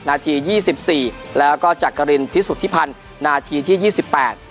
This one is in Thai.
นาทียี่สิบสี่แล้วก็จากกะรินทูตสุขภัณฑ์นาทีที่ยี่สิบแปด